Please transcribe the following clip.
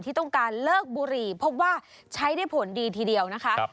ที่ต้องการเลิกบุหรี่พบว่าใช้ได้ผลดีทีเดียวนะคะ